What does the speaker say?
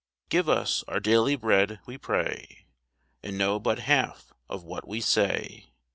IVE us our daily bread," we pray, And know but half of what we say.